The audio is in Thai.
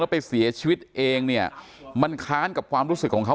ไปเสียชีวิตเองเนี่ยมันค้านกับความรู้สึกของเขา